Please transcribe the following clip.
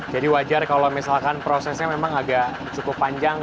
jadi wajar kalau misalkan prosesnya memang agak cukup panjang